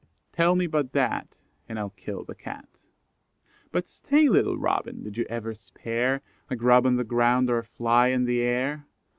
Tell me but that, And I'll kill the Cat. But stay, little Robin, did you ever spare, A grub on the ground or a fly in the air?